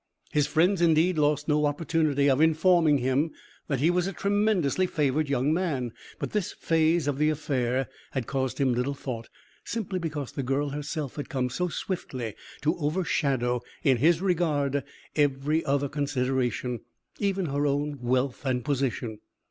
His friends, indeed, lost no opportunity of informing him that he was a tremendously favored young man, but this phase of the affair had caused him little thought, simply because the girl herself had come so swiftly to overshadow, in his regard, every other consideration even her own wealth and position.